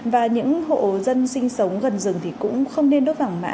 và những hộ dân sinh sống gần rừng thì cũng không nên đốt vàng mã